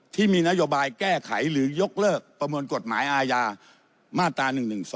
ที่มีนโยบายแก้ไขหรือยกเลิกประมวลกฎหมายอาญามาตรา๑๑๒